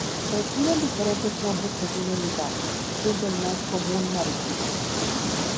Reciben diferentes nombres según el lugar, siendo el más común mariquita.